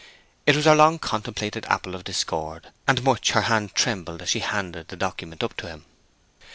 It was her long contemplated apple of discord, and much her hand trembled as she handed the document up to him.